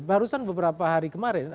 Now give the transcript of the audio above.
barusan beberapa hari kemarin